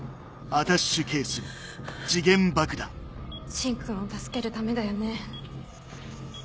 芯君を助けるためだよね？